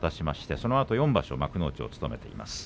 そのあと４場所幕内を務めています。